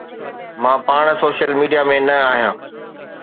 مان پاڻ social media ۾ نه آهيان.